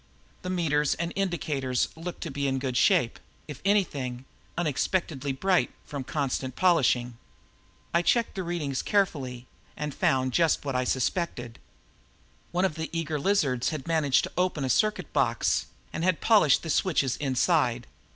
The meters and indicators looked to be in good shape; if anything, unexpectedly bright from constant polishing. I checked the readings carefully and found just what I had suspected. One of the eager lizards had managed to open a circuit box and had polished the switches inside.